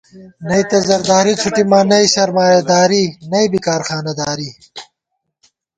نئ تہ زرداری څھُٹَمان ، نئ سرمایہ داری نئیبی کارخانہ داری